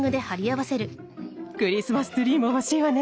クリスマスツリーも欲しいわね。